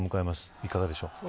いかがでしょう。